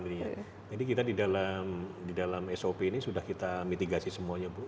kita di dalam sop ini sudah kita mitigasi semuanya bu